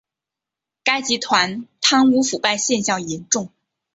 该集团贪污腐败现象严重。